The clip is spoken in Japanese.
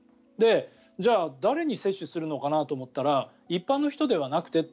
じゃあ誰に接種するのかなと思ったら一般の人ではなくてって。